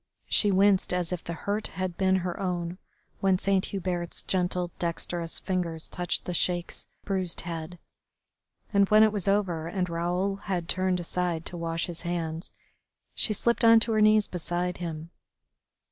She winced as if the hurt had been her own when Saint Hubert's gentle, dexterous fingers touched the Sheik's bruised head. And when it was over and Raoul had turned aside to wash his hands, she slipped on to her knees beside him.